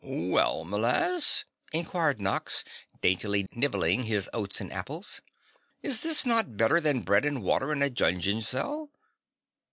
"Well, m'lass?" inquired Nox, daintily nibbling his oats and apples. "Is this not better than bread and water in a dungeon cell?"